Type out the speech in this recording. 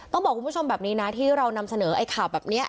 ต้องบอกคุณผู้ชมแบบนี้นะที่เรานำเสนอไอ้ข่าวแบบนี้